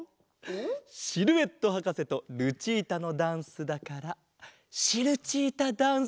シルエットはかせとルチータのダンスだからシルチータダンスだ！